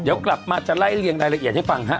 เดี๋ยวกลับมาจะไล่เรียงรายละเอียดให้ฟังฮะ